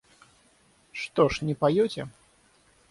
Что ж не поете?